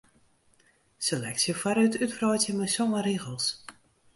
Seleksje foarút útwreidzje mei sân rigels.